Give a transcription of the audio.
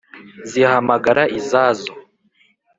Zihamagara izazo